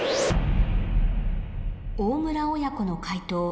大村親子の解答